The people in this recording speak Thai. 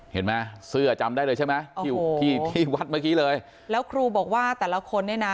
เห็นไหมเสื้อจำได้เลยใช่ไหมที่ที่วัดเมื่อกี้เลยแล้วครูบอกว่าแต่ละคนเนี่ยนะ